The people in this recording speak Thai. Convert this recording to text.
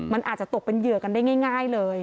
มันอาจจะตกเป็นเหยื่อกันได้ง่ายเลย